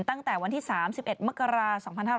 ตั้งแต่วันที่๓๑มกราศ๒๕๕๙